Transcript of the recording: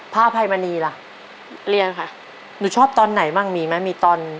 พระอภัยมณีล่ะเรียนค่ะหนูชอบตอนไหนบ้างมีไหมมีตอน